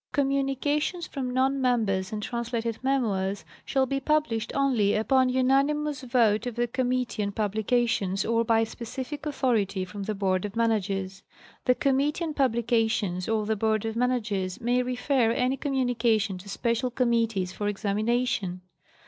Communications from non members and translated memoirs shall be published only upon unanimous vote of the Committee on Publications or by specific. authority from the Board of Managers. The Committee on Pub lications or the Board of Managers may refer any communication to special committees for examination.